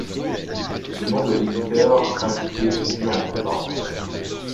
Le nom de l'éditeur invité figure entre parenthèses.